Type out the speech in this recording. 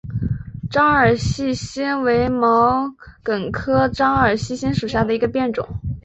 獐耳细辛为毛茛科獐耳细辛属下的一个变种。